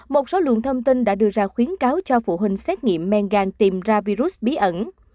một số lượng thông tin đã đưa ra khuyến cáo cho phụ huynh xét nghiệm men gan tìm ra virus bí ẩn